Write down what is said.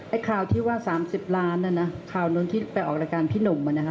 ข่าวที่ว่า๓๐ล้านนะนะข่าวนู้นที่ไปออกรายการพี่หนุ่ม